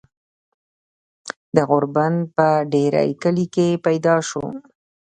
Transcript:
د غوربند پۀ ډهيرۍ کلي کښې پيدا شو ۔